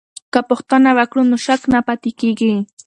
که پوښتنه وکړو نو شک نه پاتې کیږي.